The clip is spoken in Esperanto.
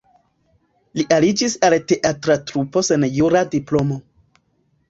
Li aliĝis al teatra trupo sen jura diplomo.